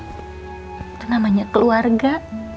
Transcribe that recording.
itu namanya keluarga